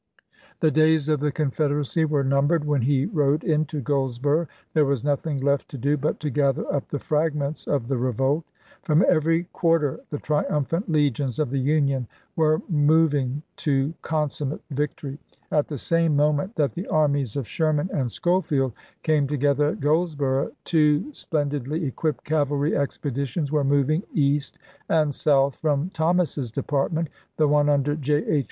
The days of the Confederacy were numbered when he rode into Goldsboro' ; there was nothing left to do but to gather up the fragments of the revolt. From every quarter the triumphant legions of the Union were moving to consummate victory. At the same moment that the armies of Sherman and Schofield came together at Goldsboro', two splen didly equipped cavalry expeditions were moving east and south from Thomas's department, the one under J. H.